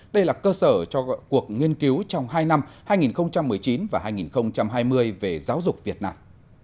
đây là cơ sở cho cuộc nghiên cứu trong hai năm hai nghìn một mươi chín và hai nghìn hai mươi về giáo dục việt nam